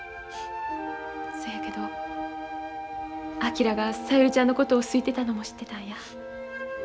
そやけど昭が小百合ちゃんのことを好いてたのも知ってたんや。